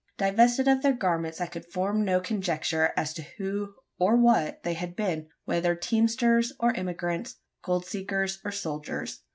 Divested of their garments, I could form no conjecture as to who or what they had been whether teamsters or emigrants, gold seekers or soldiers.